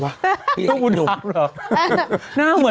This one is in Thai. หน้าพูดตามหรอ